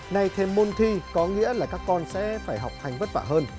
nay thêm môn thi có nghĩa là các con sẽ phải học hành vất vả hơn